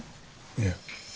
いや。